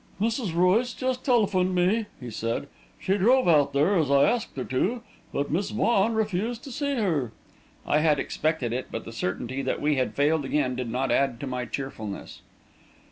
"Mrs. Royce just telephoned me," he said. "She drove out there, as I asked her to, but Miss Vaughan refused to see her." I had expected it, but the certainty that we had failed again did not add to my cheerfulness.